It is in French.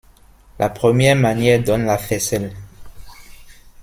La première manière donne la faisselle.